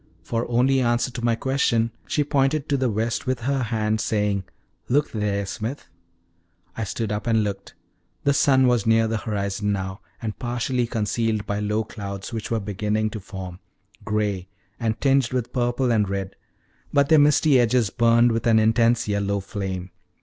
For only answer to my question she pointed to the west with her hand, saying: "Look there, Smith." I stood up and looked. The sun was near the horizon now, and partially concealed by low clouds, which were beginning to form gray, and tinged with purple and red; but their misty edges burned with an intense yellow flame.